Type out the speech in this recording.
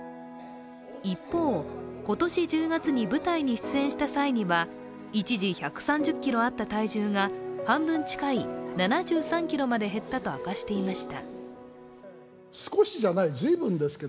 一方、今年１０月に舞台に出演した際には一時、１３０ｋｇあった体重が半分近い７３ｋｇまで減ったと明かしていました。